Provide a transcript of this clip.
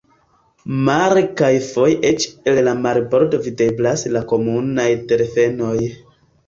Mare kaj foje eĉ el la marbordo videblas la komunaj delfenoj.